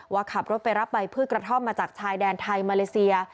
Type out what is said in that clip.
ว่าขับรถไปรับใบพืชกระท่อมมาจากชายแดนไทยมาเลเซีย